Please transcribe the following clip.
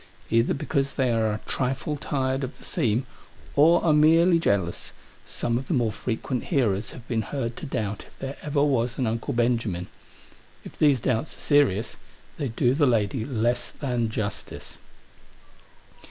Either because they are a trifle tired of the theme, or are merely jealous, some of the more frequent hearers have been heard to doubt if there ever was an Uncle Benjamin. If these doubts are serious they do the lady less than justice.